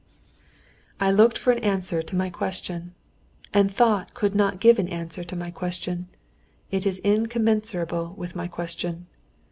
"I looked for an answer to my question. And thought could not give an answer to my question—it is incommensurable with my question.